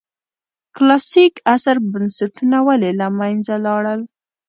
کلاسیک عصر بنسټونه ولې له منځه لاړل.